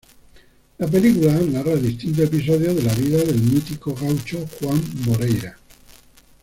La película narra distintos episodios de la vida del mítico gaucho Juan Moreira.